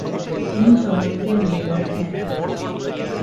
কুমু স্বভাবতই মনের মধ্যে একলা।